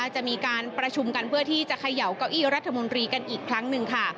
จะมีการประชุมกันเพื่อที่จะเขย่าเก้าอี้รัฐมนตรีกันอีกครั้งหนึ่งค่ะ